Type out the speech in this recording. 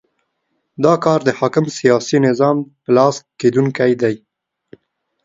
دا کار د حاکم سیاسي نظام په لاس کېدونی دی.